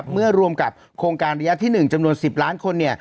เมื่อรวมกับโครงการระยะที่๑จำนวน๑๐ล้านคน